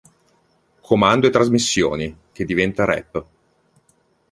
Comando e Trasmissioni, che diventa Rep.